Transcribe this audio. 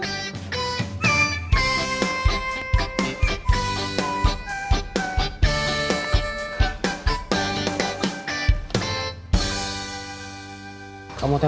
sampai jumpa lagi